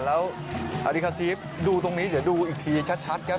แล้วอริคาซีฟดูตรงนี้เดี๋ยวดูอีกทีชัดครับ